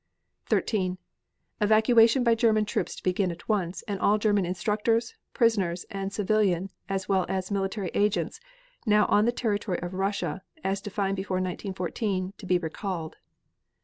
13. Evacuation by German troops to begin at once and all German instructors, prisoners and civilian as well as military agents now on the territory of Russia (as defined before 1914) to be recalled.